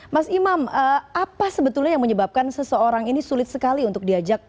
mas imam apa sebetulnya yang menyebabkan seseorang ini sulit sekali untuk diajak